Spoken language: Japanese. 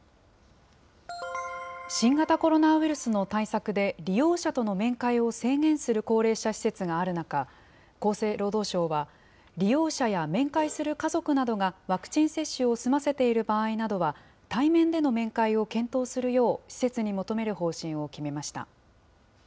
新型コロナウイルスの対策で利用者との面会を制限する高齢者施設がある中、厚生労働省は、利用者や面会する家族などがワクチン接種を済ませている場合などは、対面での面会を検討するよう、施設に求める方針を決めました。